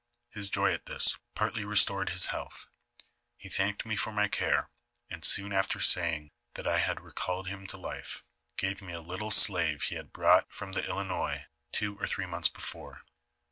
His joy at this partly restored his health ; he thanked me for my care, and soon after saying that I had recalled him to life, gave me a little slave he had brought from the Ilinois two or three months before.